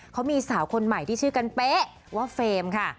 เขามีสาวคนใหม่ที่ชื่อกันเป๊ะว่าเฟรมค่ะ